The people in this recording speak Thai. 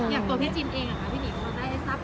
อย่างตัวพี่จินเองพี่หนิวได้ทรัพย์ของพี่จินไหม